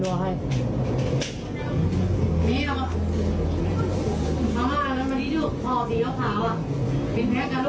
ได้ได้เดี๋ยวดูอ่ะให้นี่หรอ